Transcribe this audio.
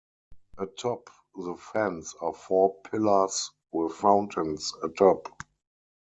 Atop the fence are four pillars with fountains atop.